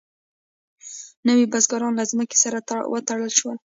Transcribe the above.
نوي بزګران له ځمکې سره وتړل شول.